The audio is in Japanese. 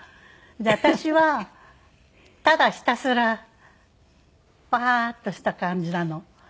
私はただひたすらパーッとした感じなの。